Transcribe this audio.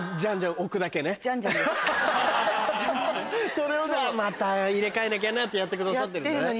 それをじゃあ「また入れ替えなきゃな」ってやってくださってるんだね。